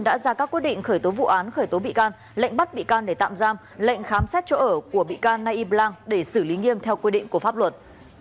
đã ra các quyết định khởi tố vụ án khởi tố bị can lệnh bắt bị can để tạm giam lệnh khám xét chỗ ở của bị can nay yip lang để xử lý nghiêm theo quy định của pháp luật